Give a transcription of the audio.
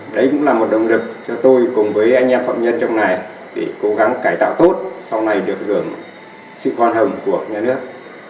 đấy cũng là một động lực cho tôi cùng với anh em phạm nhân trong này để cố gắng cải tạo tốt sau này được gửi sự quan hồng của nhà nước